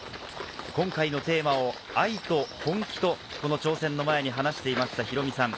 今回のテーマを愛と本気と、この挑戦の前に話していましたヒロミさん。